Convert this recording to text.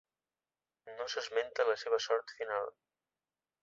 No s'esmenta la seva sort final.